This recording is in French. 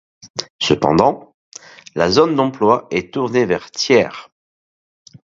Cependant, la zone d'emploi est tournée vers Thiers.